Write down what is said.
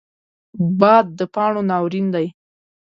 باد د پاڼو ناورین دی